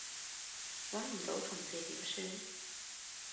搵唔到同事點算?